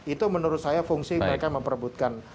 itu menurut saya fungsi mereka memperbutkan